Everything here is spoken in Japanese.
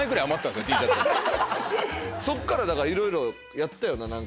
⁉そっからいろいろやったよな。